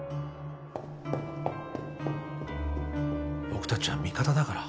・・僕たちは味方だから。